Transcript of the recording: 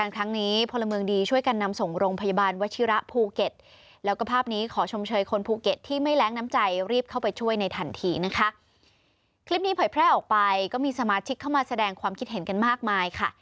คลิปนี้เผยแพร่ออกไปก็มีสมาชิกเข้ามาแสดงความคิดเห็นกันมากมายค่ะ